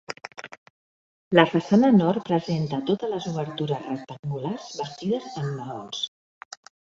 La façana nord presenta totes les obertures rectangulars bastides amb maons.